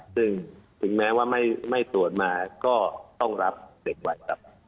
ซึ่งถึงแม้ว่าไม่ตรวจมาก็ต้องรับเด็กไว้ครับ